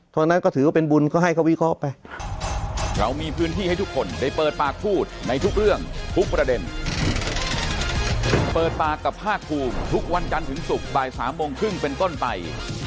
นั้นก็ถือว่าเป็นบุญก็ให้เขาวิเคราะห์ไป